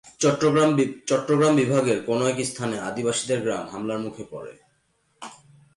চট্টগ্রাম বিভাগের কোন এক স্থানে আদিবাসীদের গ্রাম হামলার মুখে পরে।